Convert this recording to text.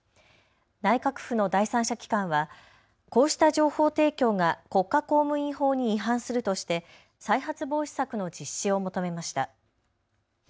内閣府の第三者機関はこうした情報提供が国家公務員法に違反するとして再発防止策の実施を求めました。